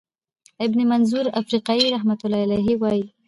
ابن منظور افریقایی رحمه الله وایی،